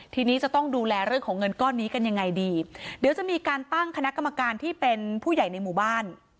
ทีนี้จะต้องดูแลเรื่องของเงินก้อนนี้กันยังไงดีเดี๋ยวจะมีการตั้งคณะกรรมการที่เป็นผู้ใหญ่ในหมู่บ้าน